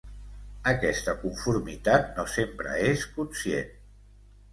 Aquesta conformitat no sempre és conscient.